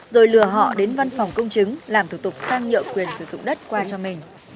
rồi lừa họ đến văn phòng công chứng làm thủ tục sang nhượng quyền sử dụng đất qua cho mình